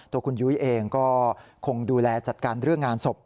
ตัวคุณยุ้ยเองก็คงดูแลจัดการเรื่องงานศพ